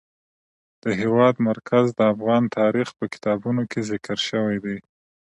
د هېواد مرکز د افغان تاریخ په کتابونو کې ذکر شوی دي.